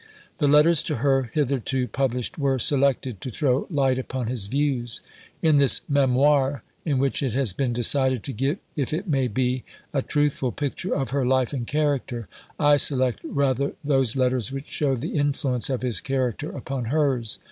The letters to her, hitherto published, were selected to throw light upon his views. In this Memoir, in which it has been decided to give (if it may be) a truthful picture of her life and character, I select rather those letters which show the influence of his character upon hers.